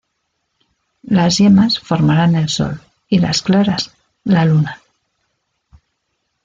Las yemas formarán el sol y las claras, la luna.